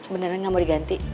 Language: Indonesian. beneran engga mau diganti